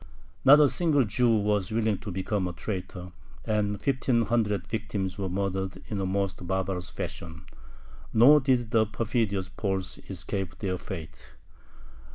Not a single Jew was willing to become a traitor, and fifteen hundred victims were murdered in a most barbarous fashion. Nor did the perfidious Poles escape their fate.